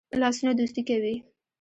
لاسونه دوستی کوي